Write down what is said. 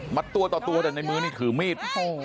มัดตัวต่อแต่ในมื้อนี่ถือมีด